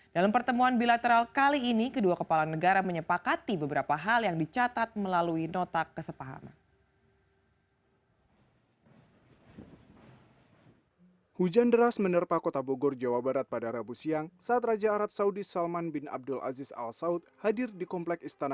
dalam pertemuan bilateral kali ini kedua kepala negara menyepakati beberapa hal yang dicatat melalui nota kesepahaman